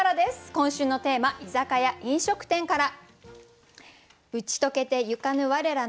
今週のテーマ「居酒屋・飲食店」から。